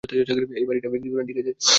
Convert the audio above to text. এই বাড়িটা বিক্রি করুন, ঠিক আছে?